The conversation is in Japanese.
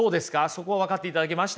そこ分かっていただけました？